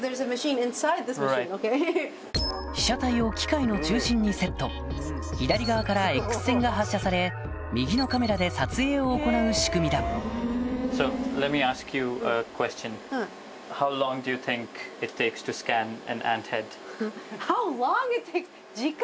被写体を機械の中心にセット左側からＸ線が発射され右のカメラで撮影を行う仕組みだ時間？